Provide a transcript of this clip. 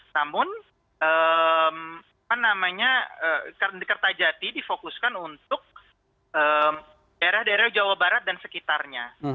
namun kertajati difokuskan untuk daerah daerah jawa barat dan sekitarnya